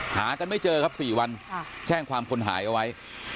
หากันไม่เจอครับ๔วันแจ้งความคนหายเอาไว้